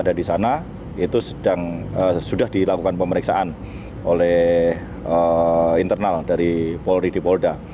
ada di sana itu sudah dilakukan pemeriksaan oleh internal dari polri di polda